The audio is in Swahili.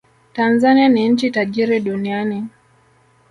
Tanzania ni nchi tajiri duniani